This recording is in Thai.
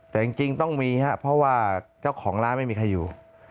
แต่จริงต้องมีครับเพราะว่าเจ้าของร้านไม่มีใครอยู่